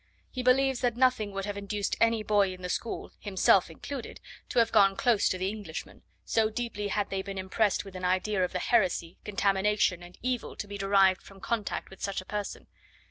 He believes that nothing would have induced any boy in the school, himself included, to have gone close to the Englishman; so deeply had they been impressed with an idea of the heresy, contamination, and evil to be derived from contact with such a person.